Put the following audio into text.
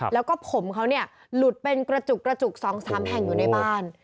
แล้วก็ผมเขาเนี่ยหลุดเป็นกระจุกกระจุก๒๓แห่งอยู่ในบ้าน